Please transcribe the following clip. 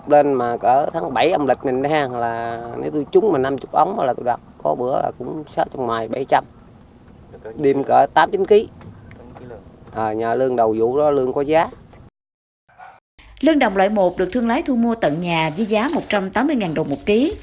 lương đồng loại một được thương lái thu mua tận nhà với giá một trăm tám mươi đồng một ký